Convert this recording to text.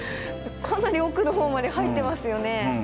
かなり奥のほうまで入ってますよね。